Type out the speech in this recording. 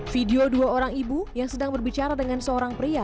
video dua orang ibu yang sedang berbicara dengan seorang pria